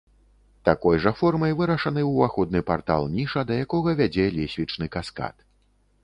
Такой жа формай вырашаны ўваходны партал-ніша, да якога вядзе лесвічны каскад.